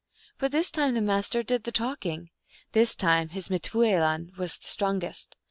But this time the Master did the talking. This time his m teoidin was the strongest.